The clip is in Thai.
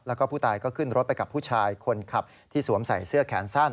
แล้วก็ผู้ตายก็ขึ้นรถไปกับผู้ชายคนขับที่สวมใส่เสื้อแขนสั้น